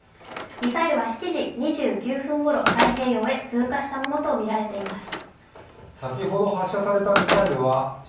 ミサイルは７時２９分ごろ、太平洋へ通過したものとみられます。